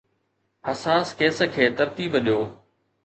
حساس ڪيس کي ترتيب ڏيو